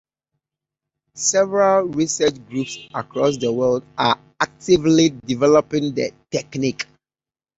Several research groups across the world are actively developing the technique.